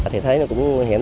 thì thấy nó cũng nguy hiểm